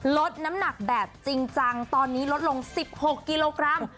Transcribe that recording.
ลดน้ำหนักแบบจริงจังตอนนี้ลดลง๑๖กิโลกรัม